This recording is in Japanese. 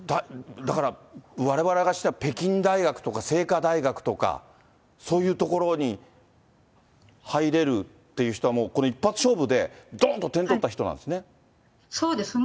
だから、われわれからしたら北京大学とかセイカ大学とか、そういう所に入れるっていう人は、この一発勝負でどんと点取った人なんですね。